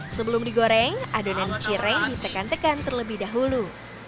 sebelum digoreng adonan cireng ditekan tekan terlebih dahulu